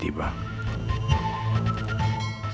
terima kasih pak